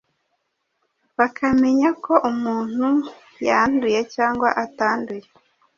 bakamenya ko umuntu yanduye cyangwa atanduye.